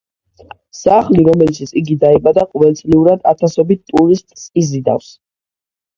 სახლი, რომელშიც იგი დაიბადა ყოველწლიურად ათასობით ტურისტს იზიდავს.